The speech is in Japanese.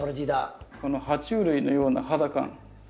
このは虫類のような肌感。